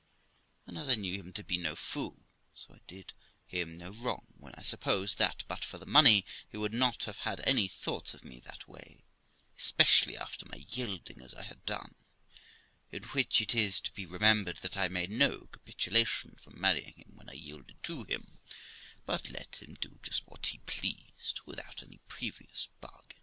And as I knew him to be no fool, so I did him no wrong when I supposed that, but for the money, he would not have had any thoughts of me that way, especially after my yielding as I had done; in which it is to be remembered, that I made no capitulation for marrying him when I yielded to him, but let him do just what he pleased, without any previous bargain.